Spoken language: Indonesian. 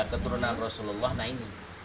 keturunan rasulullah nah ini